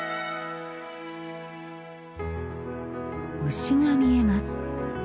牛が見えます。